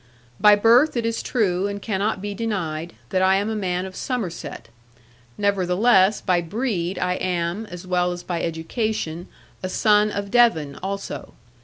By birth it is true, and cannot be denied, that I am a man of Somerset; nevertheless by breed I am, as well as by education, a son of Devon also.